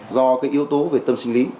do cái yếu tố về tâm sinh lý